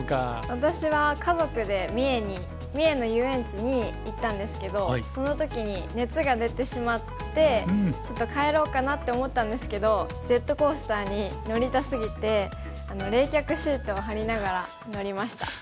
私は家族で三重の遊園地に行ったんですけどその時に熱が出てしまってちょっと帰ろうかなって思ったんですけどジェットコースターに乗りた過ぎて冷却シートを貼りながら乗りました。